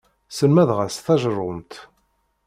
Sselmadeɣ-as tajerrumt.